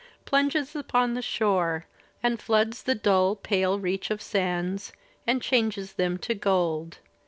Plunges upon the shore, and floods the dun Pale reach of sands, and changes them to gold.